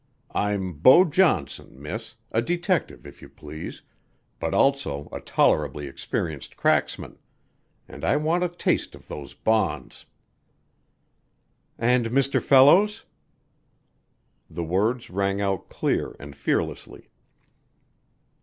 I'm Beau Johnson, miss, a detective if you please, but also a tolerably experienced cracksman, and I want a taste of those bonds." "And Mr. Fellows?" The words rang out clear and fearlessly.